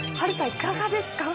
いかがですか？